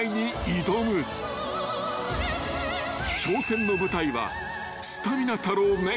［挑戦の舞台は］